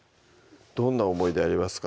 どんな思い出ありますか？